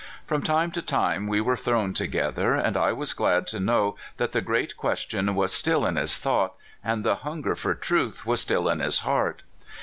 From time to time we were thrown together, and I was glad to know that the Great Question was still in his thought, and the hunger for truth was still in his heart.